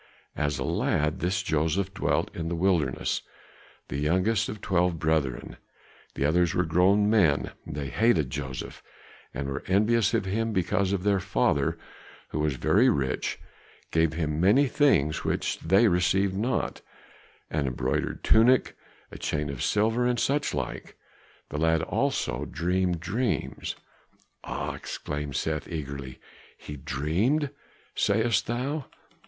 As a lad this Joseph dwelt in the wilderness, the youngest of twelve brethren, the others were grown men; they hated Joseph and were envious of him because their father, who was very rich, gave him many things which they received not, an embroidered tunic, a chain of silver, and such like. The lad also dreamed dreams " "Ah!" exclaimed Seth eagerly, "he dreamed, sayest thou?"